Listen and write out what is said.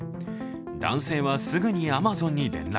男性はすぐにアマゾンに連絡。